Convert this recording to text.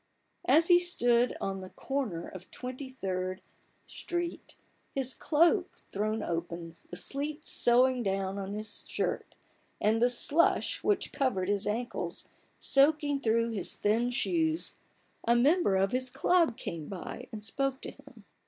As he stood on the corner of Twenty third Street, his cloak thrown open, the sleet sowing down on his shirt, and the slush which covered his ankles soaking through his thin shoes, a member of his ciub came by and spoke to him.